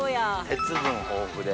鉄分豊富で。